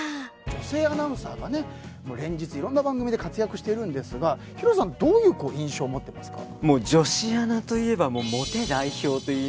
女性アナウンサーが連日いろんな番組で活躍しているんですがヒロさん、どういう印象を持っていますか。